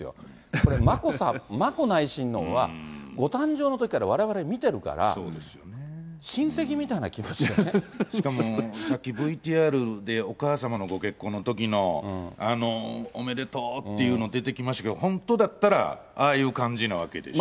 これ、眞子内親王はご誕生のときからわれわれ見てるから、しかもさっきＶＴＲで、お母様のご結婚のときのあのおめでとうっていうの出てきましたけど、本当だったら、ああいう感じなわけでしょ。